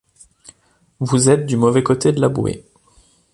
Vous êtes du mauvais côté de la bouée.